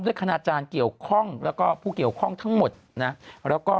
คณาจารย์เกี่ยวข้องแล้วก็ผู้เกี่ยวข้องทั้งหมดนะแล้วก็